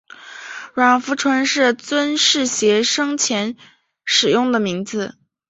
阮福淳是尊室协生前使用的名字。